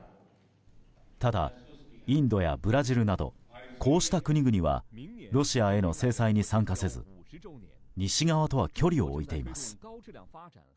ただ、インドやブラジルなどこうした国々はロシアへの制裁に参加せず西側とは距離を置いています。